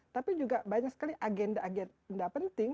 tapi juga banyak sekali agenda agenda penting